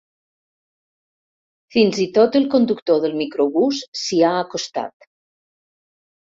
Fins i tot el conductor del microbús s'hi ha acostat.